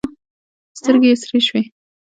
سترګې یې سرې شوې.